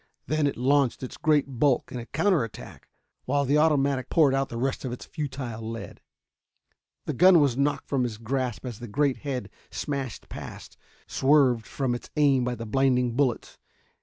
Then it launched its great bulk in a counter attack, while the automatic poured out the rest of its futile lead. The gun was knocked from his grasp as the great head smashed past, swerved from its aim by the blinding bullets.